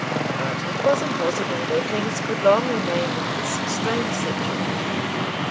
But it was impossible that things could long remain in this strange situation.